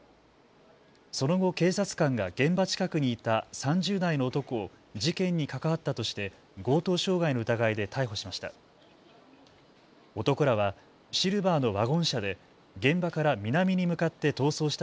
その後、警察官が現場近くにいた３０代の男を事件に関わったとして強盗傷害の疑いで逮捕しました。